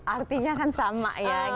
artinya kan sama ya